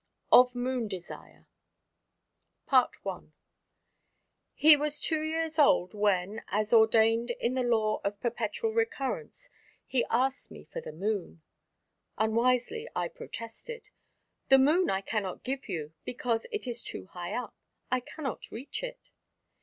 Of Moon Desire I He was two years old when as ordained in the law of perpetual recurrence he asked me for the Moon. Unwisely I protested, "The Moon I cannot give you because it is too high up. I cannot reach it."